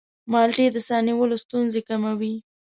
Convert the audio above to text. مالټې د ساه نیولو ستونزې کموي.